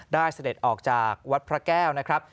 เสด็จออกจากวัดพระแก้วนะครับ